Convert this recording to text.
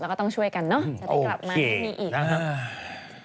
เราก็ต้องช่วยกันเนอะจะไปกลับมาไม่มีอีก